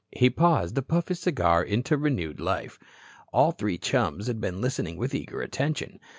He paused to puff his cigar into renewed life. All three chums had been listening with eager attention.